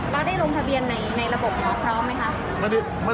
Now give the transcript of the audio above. เราได้ลงทะเบียนในระบบหมอพร้อมไหมคะ